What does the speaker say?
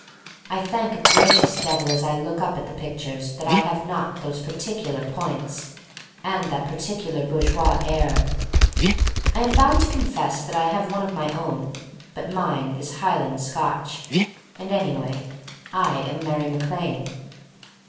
I thank a gracious Devil as I look up at the pictures that I have not those particular points and 26o THE STORY OF MARY MAC LANE that particular bourgeois ain I am bound to confess that I have one of my own, but mine is Highland Scotch — and anyway, I am Mary Mac^Lane.